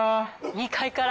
２階から。